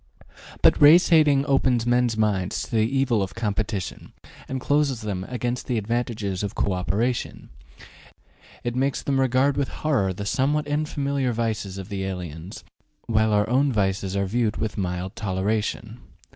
But race hatred opens men's minds to the evils of competition and closes them against the advantages of co operation; it makes them regard with horror the somewhat unfamiliar vices of the aliens, while our own vices are viewed with mild toleration.